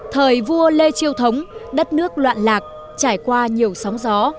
thời vua lê chiêu thống đất nước loạn lạc trải qua nhiều sóng gió